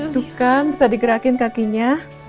duh kan bisa digerakin kakinya